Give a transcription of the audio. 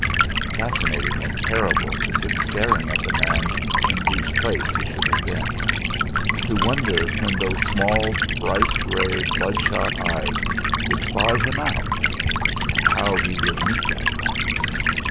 Fascinating and terrible to sit staring at the man in whose place he should have been; to wonder when those small bright grey bloodshot eyes would spy him out, and how he would meet that glance.